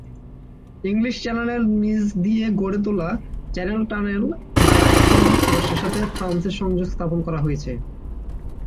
English চ্যানেলের নীচ দিয়ে গড়ে তোলা চ্যানেল টানেল দ্বারা এখন যুক্তরাজ্যের সাথে ফ্রান্সের সংযোগ স্থাপন করা হয়েছে।